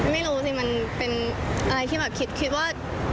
ไม่รู้สิมันเป็นอะไรที่แบบคิดว่า